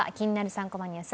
３コマニュース」